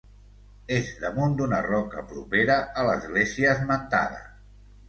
És damunt d'una roca propera a l'església esmentada.